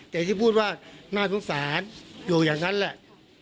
แต่ที่พูดว่าน่าสงสารอยู่อย่างนั้นแหละ